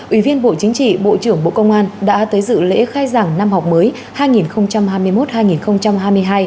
ủy viên bộ chính trị bộ trưởng bộ công an đã tới dự lễ khai giảng năm học mới hai nghìn hai mươi một hai nghìn hai mươi hai